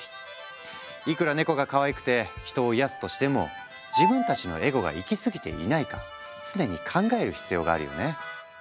いくらネコがかわいくて人を癒やすとしても自分たちのエゴが行き過ぎていないか常に考える必要があるよね。